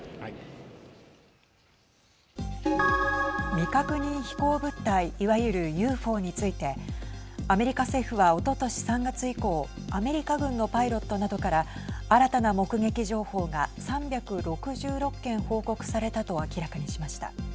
未確認飛行物体いわゆるＵＦＯについてアメリカ政府はおととし３月以降アメリカ軍のパイロットなどから新たな目撃情報が３６６件、報告されたと明らかにしました。